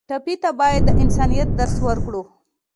ټپي ته باید د انسانیت درس ورکړو.